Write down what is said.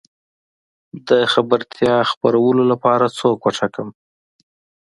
د خبرتيا خورولو لپاره څوک وټاکم؟